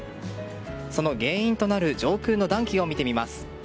その原因となる上空の暖気を見てみます。